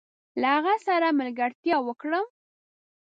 له هغه سره ملګرتيا وکړم؟